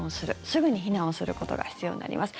すぐに避難をすることが必要になります。